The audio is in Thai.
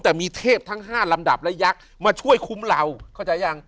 แต่มีเทพทั้ง๕ลำดับและยักษ์มาช่วยคุ้มเราเข้าใจยัง